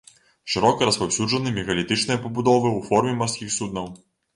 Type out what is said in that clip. Шырока распаўсюджаны мегалітычныя пабудовы ў форме марскіх суднаў.